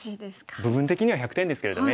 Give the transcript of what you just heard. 部分的には１００点ですけれどね。